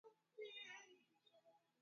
namna kupata soko la bidhaa zake